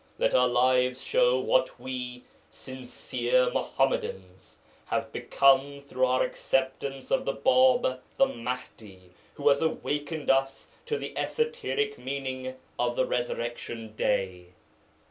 Let our lives show what we, sincere Muḥammadans, have become through our acceptance of the Bāb, the Mahdi, who has awakened us to the esoteric meaning of the Resurrection Day.